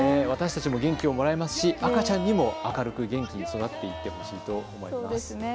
元気をもらえますし赤ちゃんにも明るく元気に育っていってほしいと思います。